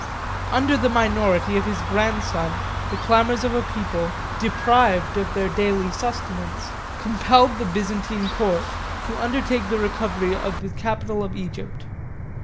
114 Under the minority of his grandson, the clamors of a people, deprived of their daily sustenance, compelled the Byzantine court to undertake the recovery of the capital of Egypt.